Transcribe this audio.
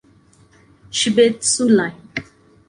Shibetsu Line.